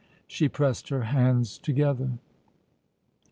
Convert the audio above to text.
She pressed her hands together.